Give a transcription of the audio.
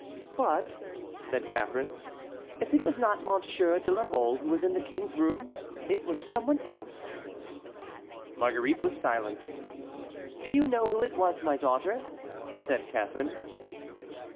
"But," said Catharine, "if it was not Monsieur de la Mole who was in the king's room, it was some one else!" Marguerite was silent. "Do you know who it was, my daughter?" said Catharine.